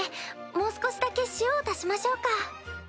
もう少しだけ塩を足しましょうか。